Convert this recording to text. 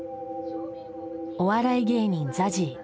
お笑い芸人ＺＡＺＹ